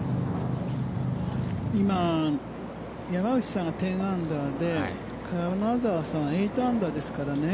今、山内さんが１０アンダーで金澤さんは８アンダーですからね。